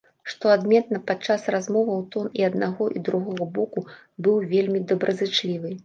Што адметна, падчас размоваў тон і аднаго, і другога боку быў вельмі добразычлівы.